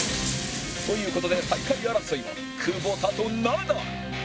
という事で最下位争いは久保田とナダル